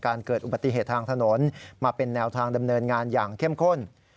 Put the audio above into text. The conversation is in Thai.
เกิดอุบัติเหตุทางถนนมาเป็นแนวทางดำเนินงานอย่างเข้มข้น